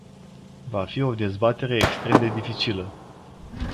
Va fi o dezbatere extrem de dificilă.